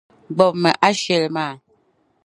Gbibimi ashili maa.